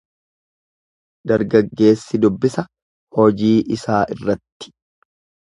Dargaggeessi dubbisa hojii isaa irratti.